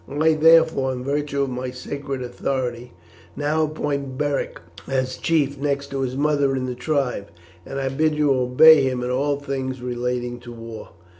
I therefore, in virtue of my sacred authority, now appoint Beric as chief next to his mother in the tribe, and I bid you obey him in all things relating to war.